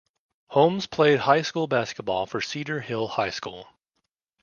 Holmes played high school basketball for Cedar Hill High School.